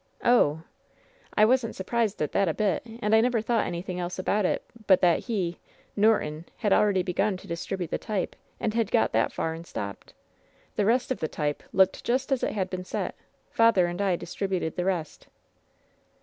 "Oh!" "I wasn't surprised at that a bit, and I never thought anything else about it but that he — ^Norton — ^had al ready begun to distribute the type, and had got that far and stopped. The rest of the type looked just as it had been set. Father and I distributed the rest."